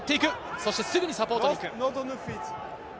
そしてすぐにサポートにいく。